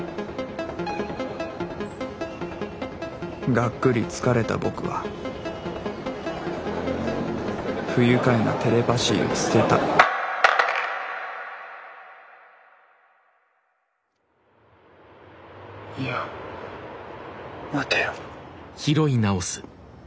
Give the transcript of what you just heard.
がっくり疲れた僕は不愉快なテレパ椎を捨てたいや待てよ。